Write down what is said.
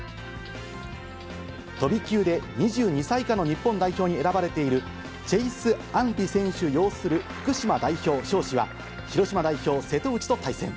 飛び級で２２歳以下の日本代表に選ばれている、チェイス・アンリ選手擁する福島代表、尚志は広島代表、瀬戸内と対戦。